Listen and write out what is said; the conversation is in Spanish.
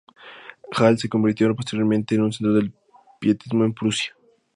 Halle se convirtió posteriormente en un centro del pietismo en Prusia.